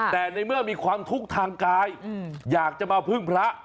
แต่ในเมื่อมีความทุกข์ทางกายอยากจะมาพึ่งพระ